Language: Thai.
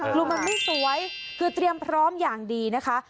ลุงมันไม่สวยคือเตรียมพร้อมอย่างดีนะคะ